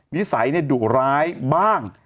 นิสัยดุร้ายบ้าง